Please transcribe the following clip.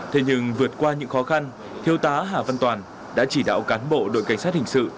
thế nhưng vượt qua những khó khăn thiêu tá hà văn toàn đã chỉ đạo cán bộ đội cảnh sát hình sự